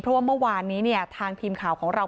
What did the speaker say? เพราะว่าเมื่อวานนี้เนี่ยทางทีมข่าวของเรา